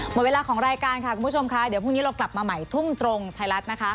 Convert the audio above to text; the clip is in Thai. หมดเวลาของรายการค่ะคุณผู้ชมค่ะเดี๋ยวพรุ่งนี้เรากลับมาใหม่ทุ่มตรงไทยรัฐนะคะ